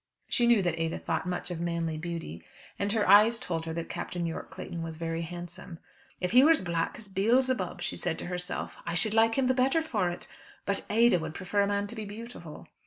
She knew that Ada thought much of manly beauty, and her eyes told her that Captain Yorke Clayton was very handsome. "If he were as black as Beelzebub," she said to herself, "I should like him the better for it; but Ada would prefer a man to be beautiful."